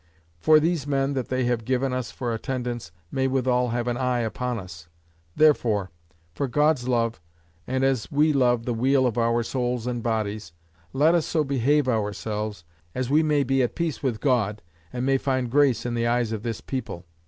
For these men that they have given us for attendance, may withal have an eye upon us. Therefore for God's love, and as we love the weal of our souls and bodies, let us so behave ourselves, as we may be at peace with God, and may find grace in the eyes of this people."